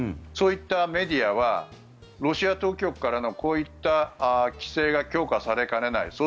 そういったメディアはロシア当局からのこういった規制が強化されかねない。